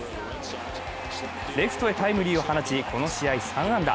レフトへタイムリーを放ちこの試合３安打。